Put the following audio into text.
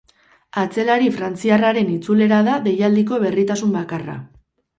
Atzelari frantziarraren itzulera da deialdiko berritasun bakarra.